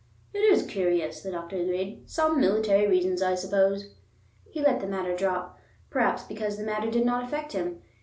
"It is curious," the doctor agreed. "Some military reasons, I suppose." He let the matter drop, perhaps because the matter did not affect him.